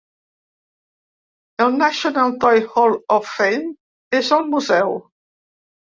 El National Toy Hall of Fame és al museu.